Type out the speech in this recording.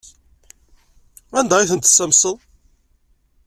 Anda ay tent-tessamseḍ?